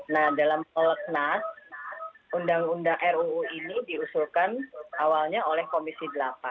nah dalam koleknas undang undang ruu ini diusulkan awalnya oleh komisi delapan